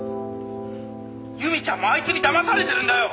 「由美ちゃんもあいつにだまされてるんだよ！」